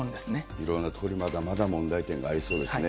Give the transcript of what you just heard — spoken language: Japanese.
いろんなところにまだまだ問題点がありそうですね。